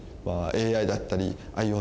まあＡＩだったりＩｏＴ。